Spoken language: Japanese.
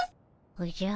おじゃ。